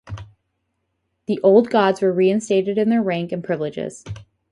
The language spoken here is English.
The old gods were reinstated in their rank and privileges.